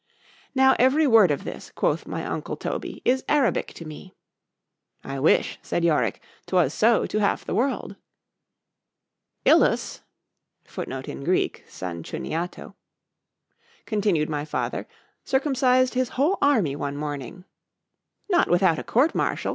_—— Now every word of this, quoth my uncle Toby, is Arabic to me.——I wish, said Yorick, 'twas so, to half the world. —ILUS, continued my father, circumcised his whole army one morning.—Not without a court martial?